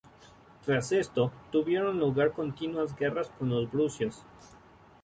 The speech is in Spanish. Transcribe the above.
Tras esto, tuvieron lugar continuas guerras con los brucios.